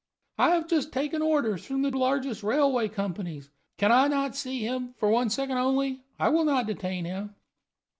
"I have just taken orders from the largest railway companies. Can not I see him, for one second only? I will not detain him."